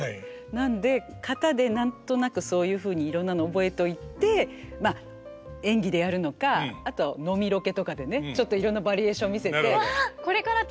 なので型で何となくそういうふうにいろんなの覚えといてまあ演技でやるのかあと飲みロケとかでねちょっといろんなバリエーション見せて。